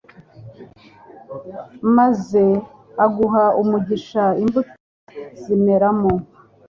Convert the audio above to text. maze ugaha umugisha imbuto zimeramo